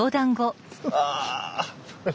ああ！